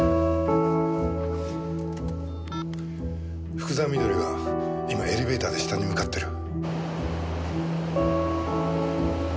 福沢美登里が今エレベーターで下に向かってる。